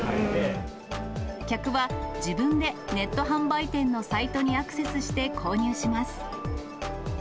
客は自分でネット販売店のサイトにアクセスして購入します。